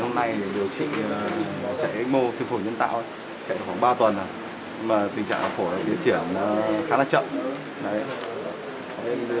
hôm nay điều trị chạy x mo tương phổ nhân tạo chạy khoảng ba tuần rồi mà tình trạng tổ tương phổ diễn triển khá là chậm